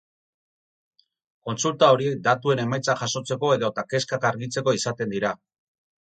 Kontsulta horiek datuen emaitzak jasotzeko edota kezkak argitzeko izaten dira.